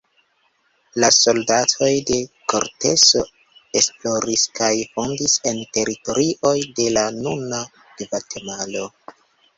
La soldatoj de Korteso esploris kaj fondis en teritorioj de la nuna Gvatemalo.